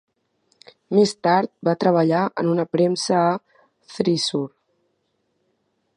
Més tard va treballar en una premsa a Thrissur.